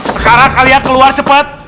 sekarang kalian keluar cepet